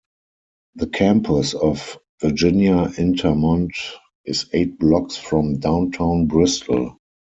The campus of Virginia Intermont is eight blocks from downtown Bristol.